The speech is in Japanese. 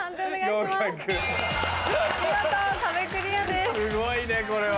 すごいねこれは。